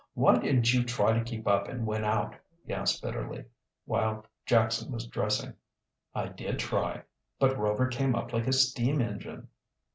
"Why didn't you try to keep up and win out"? he asked bitterly, while Jackson was dressing. "I did try. But Rover came up like a steam engine."